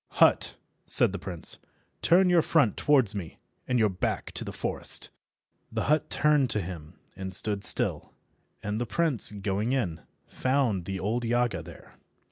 "Hut," said the prince, "turn your front towards me and your back to the forest." The hut turned to him and stood still, and the prince, going in, found the old Yaga there.